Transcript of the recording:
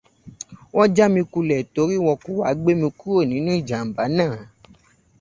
Wọ́n já mi kulẹ̀ torí wọn kò wá gbé mi kúrò nínu ìjàmbá náà.